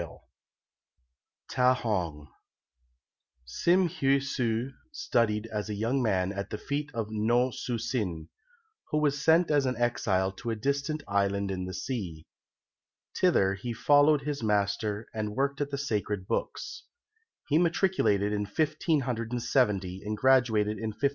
LIII TA HONG [Sim Heui su studied as a young man at the feet of No Su sin, who was sent as an exile to a distant island in the sea. Thither he followed his master and worked at the Sacred Books. He matriculated in 1570 and graduated in 1572.